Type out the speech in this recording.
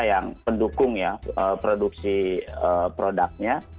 yang pendukung ya produksi produknya